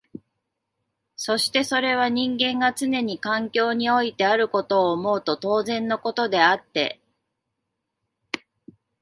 そしてそれは人間がつねに環境においてあることを思うと当然のことであって、